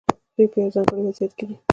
دوی په یو ځانګړي وضعیت کې دي.